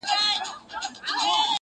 چي هر څه یې په دانو خواري ایستله؛